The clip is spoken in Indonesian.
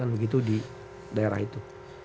begitu di daerah itu